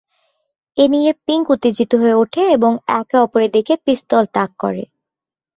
এ নিয়ে পিংক উত্তেজিত হয়ে উঠে এবং একে অপরের দিকে পিস্তল তাক করে।